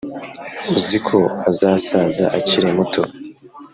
uziko azasaza akiri muto